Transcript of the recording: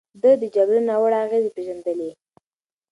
ده د جګړې ناوړه اغېزې پېژندلې.